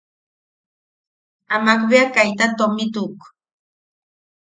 Amak bea kaita tomituk.